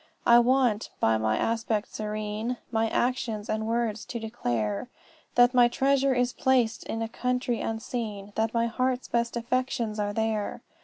"'I want, by my aspect serene, My actions and words, to declare That my treasure is placed in a country unseen, That my heart's best affections are there.